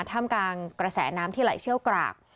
ท่ามกลางกระแสน้ำที่ไหลเชี่ยวกราก